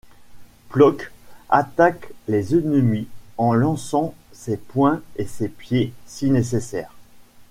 Plok attaque les ennemis en lançant ses poings et ses pieds si nécessaire.